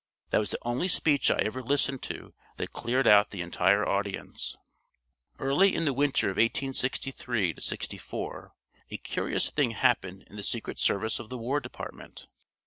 That was the only speech I ever listened to that cleared out the entire audience. Early in the winter of 1863 '64 a curious thing happened in the secret service of the War Department.